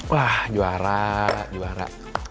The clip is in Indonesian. wah juara juara